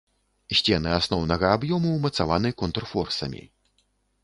Сцены асноўнага аб'ёму ўмацаваны контрфорсамі.